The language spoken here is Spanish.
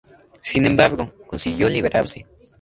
Sin embargo, consiguió liberarse.